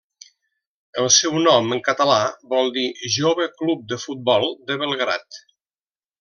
El seu nom en català vol dir Jove Club de Futbol de Belgrad.